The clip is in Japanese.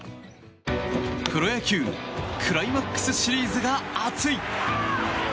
プロ野球クライマックスシリーズが熱い！